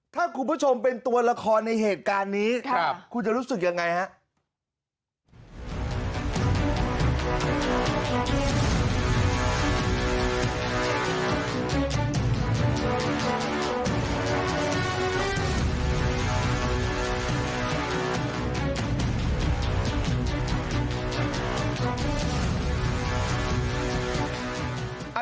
ถ้าคุณผู้ชมเป็นตัวละครในเหตุการณ์นี้คุณจะรู้สึกยังไงฮะ